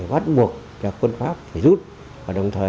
với sủng hoa cờ đỏ phất phối